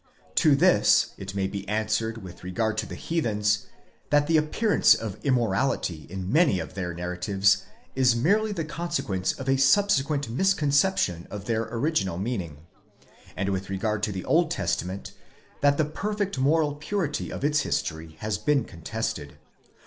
To this it may be answered with regard to the heathens, that the appearance of immorality in many of their narratives is merely the conse quence of a subsequent misconception of their original meaning : and with regard to the Old Testament, that the perfect moral purity of its history has: been contested.